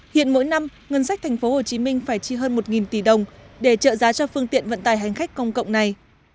hiện mỗi năm ngân sách tp hcm phải chi hơn một tỷ đồng để trợ giá cho phương tiện vận tài hành khách công cộng này